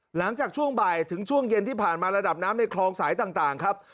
หลังจากช่วงบ่ายถึงช่วงเย็นที่ผ่านมาระดับน้ำในคลองสายต่างครับ